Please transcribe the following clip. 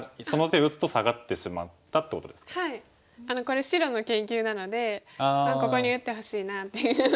これ白の研究なのでここに打ってほしいなっていう。